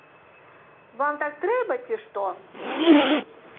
Вам так трэба, ці што?